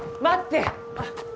待って！